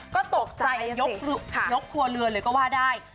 ก็ตกใจยกครัวเรือนเลยก็ว่าได้